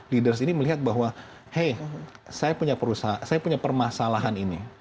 leaders ini melihat bahwa hey saya punya perusahaan saya punya permasalahan ini